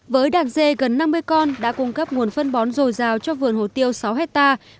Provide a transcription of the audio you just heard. với đàn dê gần năm mươi con đã cung cấp nguồn phân bón dồi dào cho vườn hồ tiêu sáu hectare